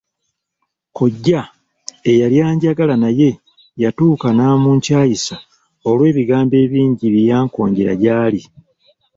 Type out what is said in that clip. Kkojja eyali anjagala naye yatuuka n'amunkyayisa olw'ebigambo ebingi bye yankonjeranga gyali.